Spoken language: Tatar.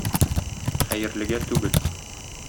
Хәерлегә түгел